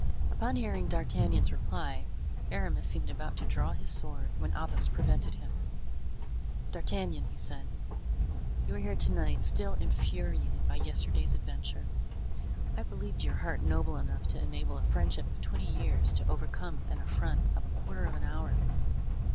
Upon hearing D'Artagnan's reply, Aramis seemed about to draw his sword, when Athos prevented him. "D'Artagnan," he said, "you are here to night, still infuriated by yesterday's adventure. I believed your heart noble enough to enable a friendship of twenty years to overcome an affront of a quarter of an hour.